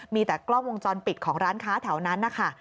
มีแต่กล้องวงจรปิดของร้านค้าแถวนั้นนะคะ